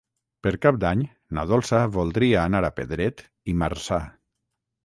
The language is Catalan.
Per Cap d'Any na Dolça voldria anar a Pedret i Marzà.